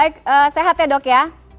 baik sehat ya dok ya